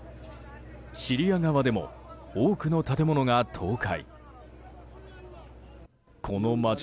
シリア側でも多くの建物が倒壊。